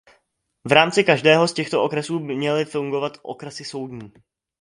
V rámci každého z těchto okresů měly fungovat okresy soudní.